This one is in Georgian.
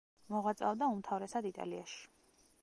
მოღვაწეობდა უმთავრესად იტალიაში.